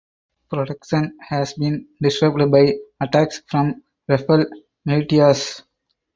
Production has been disrupted by attacks from rebel militias.